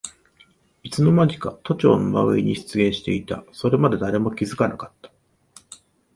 いつのまにか都庁の真上に出現していた。それまで誰も気づかなかった。